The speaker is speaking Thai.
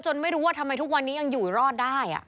ไม่รู้ว่าทำไมทุกวันนี้ยังอยู่รอดได้